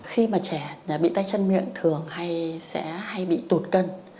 khi mà trẻ bị tay chân miệng thường hay sẽ hay bị tụt cân